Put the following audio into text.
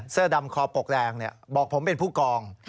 เสื้อดำคอปกแดงบอกผมเป็นผู้กอง